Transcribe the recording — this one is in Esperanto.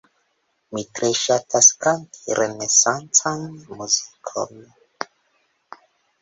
Mi tre ŝatas kanti renesancan muzikon.